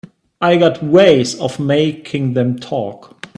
I got ways of making them talk.